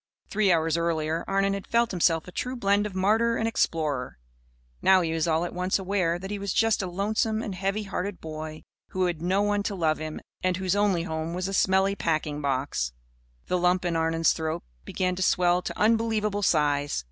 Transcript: Three hours earlier Arnon had felt himself a true blend of martyr and explorer. Now he was all at once aware that he was just a lonesome and heavy hearted boy who had no one to love him and whose only home was a smelly packing box. The lump in Arnon's throat began to swell to unbelievable size.